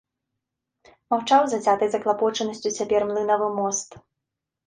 Маўчаў зацятай заклапочанасцю цяпер млынавы мост.